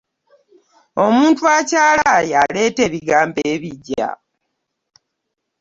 Omuntu akyalaya y'aleeta ebigambo ebiggya .